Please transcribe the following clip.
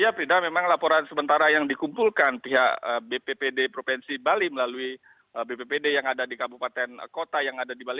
ya frida memang laporan sementara yang dikumpulkan pihak bppd provinsi bali melalui bppd yang ada di kabupaten kota yang ada di bali